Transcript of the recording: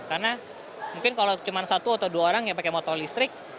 karena mungkin kalau cuma satu atau dua orang yang pakai motor listrik